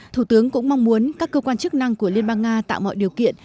thủ tướng cũng mong muốn các cơ quan chức năng của liên bang nga tạo mọi điều kiện